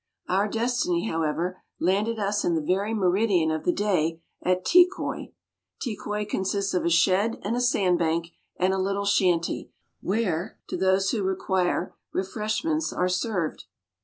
Our destiny, however, landed us in the very meridian of the day at Tekoi. Tekoi consists of a shed and a sand bank, and a little shanty, where, to those who require, refreshments are served.